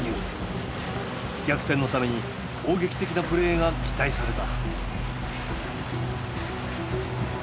逆転のために攻撃的なプレーが期待された。